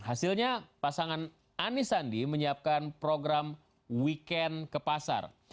hasilnya pasangan anis sandi menyiapkan program weekend ke pasar